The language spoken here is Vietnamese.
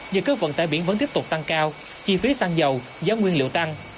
nhưng các vận tải biển vẫn tiếp tục tăng cao chi phí xăng dầu giá nguyên liệu tăng